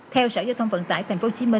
theo sở giao thông vận tải tp hcm